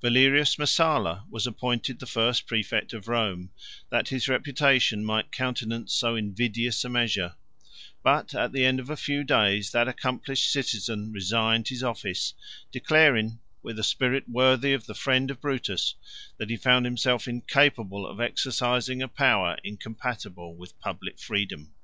103 Valerius Messalla was appointed the first præfect of Rome, that his reputation might countenance so invidious a measure; but, at the end of a few days, that accomplished citizen 104 resigned his office, declaring, with a spirit worthy of the friend of Brutus, that he found himself incapable of exercising a power incompatible with public freedom.